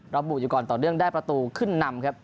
ระบุอยู่ก่อนต่อเนื่องได้ประตูขึ้นนำครับ